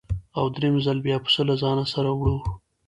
او درېیم ځل بیا پسه له ځانه سره وړو.